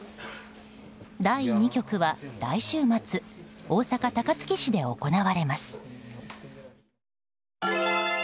第２局は来週末大阪・高槻市で行われます。